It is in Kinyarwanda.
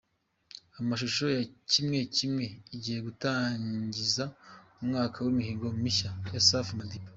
Amashusho ya “Kimwe Kimwe” igiye gutangiza umwaka w’imihigo mishya ya Safi Madiba.